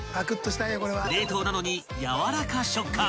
［冷凍なのに軟らか食感］